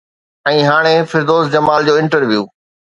۽ هاڻي فردوس جمال جو انٽرويو